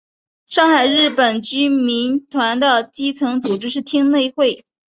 上海日本居留民团的基层组织是町内会。